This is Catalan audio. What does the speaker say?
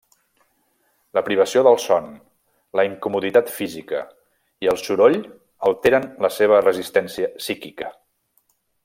La privació del son, la incomoditat física i el soroll alteren la seva resistència psíquica.